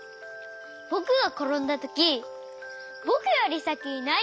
ぼくがころんだときぼくよりさきにないてました。